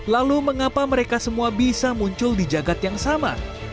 lalu mengapa mereka semua bisa muncul di jagad yang sama